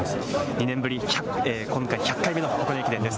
２年ぶり、１００回目の箱根駅伝です。